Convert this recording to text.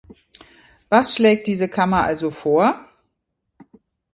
Was schlägt diese Kammer also vor?